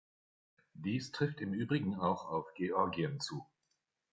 Dies trifft im Übrigen auch auf Georgien zu.